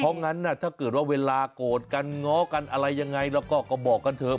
เพราะงั้นถ้าเกิดว่าเวลาโกรธกันง้อกันอะไรยังไงแล้วก็บอกกันเถอะ